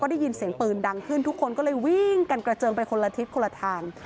ได้ยินเสียงปืนดังขึ้นทุกคนก็เลยวิ่งกันกระเจิงไปคนละทิศคนละทาง